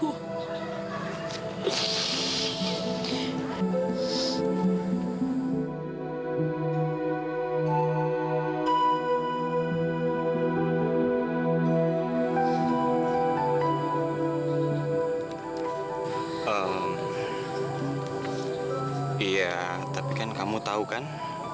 oh iya tapi kan kamu tahu kan